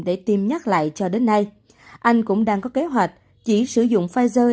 để tiêm nhắc lại cho đến nay anh cũng đang có kế hoạch chỉ sử dụng pfizer